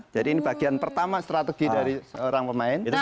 jadi ini bagian pertama strategi dari seorang pemain